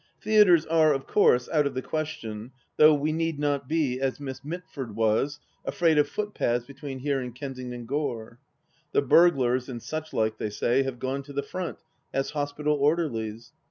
... Theatres are of course out of the question, though we need not be, as Miss Mitford was, afraid of footpads between here and Kensington Gore. The burglars and such like, they say, have gone to the front, as hospital orderlies.